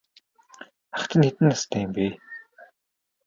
Ах чинь хэдэн настай юм бэ?